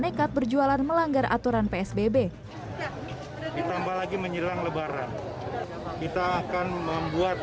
nekat berjualan melanggar aturan psbb ditambah lagi menjelang lebaran kita akan membuat